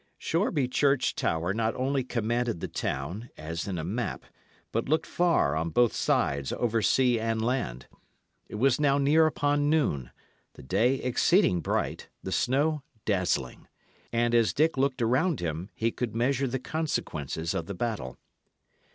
Shoreby Church tower not only commanded the town, as in a map, but looked far, on both sides, over sea and land. It was now near upon noon; the day exceeding bright, the snow dazzling. And as Dick looked around him, he could measure the consequences of the battle.